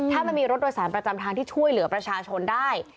ถ้ามันมีรถโดยสารประจำทางที่ช่วยเหลือประชาชนได้